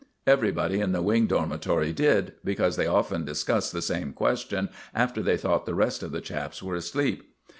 Everybody in the Wing Dormitory did, because they often discussed the same question after they thought the rest of the chaps were asleep.